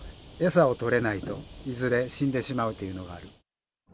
餌を取れないと、いずれ死んでしまうというのがある。